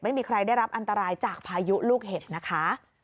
ไม่มีใครได้รับอันตรายจากพายุลูกเห็ดนะคะ